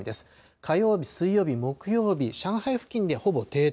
火曜日、水曜日、木曜日、上海付近でほぼ停滞。